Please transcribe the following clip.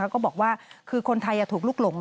ก็บอกว่าคือคนไทยถูกลุกหลง